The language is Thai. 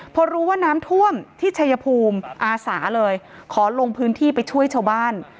พอรู้ว่าน้ำท่วมที่ชัยภูมิอาสาเลยขอลงพื้นที่ไปช่วยชาวบ้าน